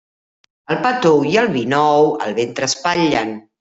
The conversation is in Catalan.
El pa tou i el vi nou el ventre espatllen.